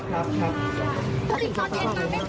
มีคนจะติดไหมครับพี่โม